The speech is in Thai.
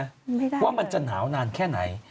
ไม่ได้ว่ามันจะหนาวนานแค่ไหน